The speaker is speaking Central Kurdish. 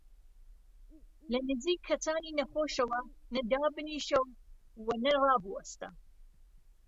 لە نزیک کەسانی نەخۆشەوە نە دابنیشە و وە نەڕابوەستە.